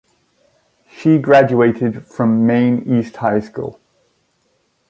She graduated from Maine East High School.